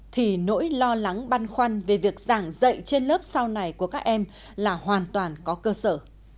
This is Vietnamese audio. thì nỗi lo lắng băn khoăn về việc giảng dạy trên lớp sau này của các em là hoàn toàn có cơ sở